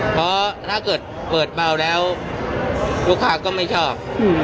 เพราะถ้าเกิดเปิดเบาแล้วลูกค้าก็ไม่ชอบ